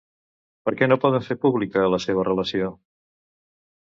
Per què no poden fer pública la seva relació?